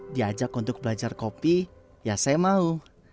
diajak untuk belajar kopi ya saya mau